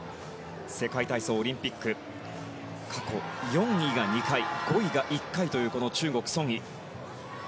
世界体操、オリンピック過去４位が２回５位が１回という中国のソン・イ。